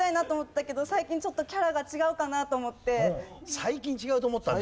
最近違うと思ったんだ。